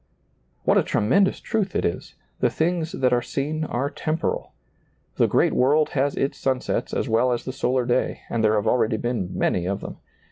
What a tremendous truth it is ! The things that are seen are temporal. The great world has its sunsets as well as the solar day, and there have already been many of them.